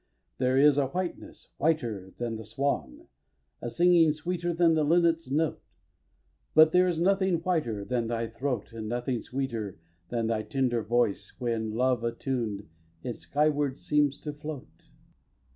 There is a whiteness whiter than the swan, A singing sweeter than the linnet's note. But there is nothing whiter than thy throat, And nothing sweeter than thy tender voice When, love attuned, it skyward seems to float.